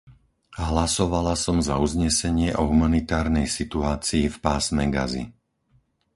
Hlasovala som za uznesenie o humanitárnej situácii v pásme Gazy.